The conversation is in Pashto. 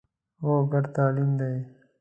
هو، ګډ تعلیم دی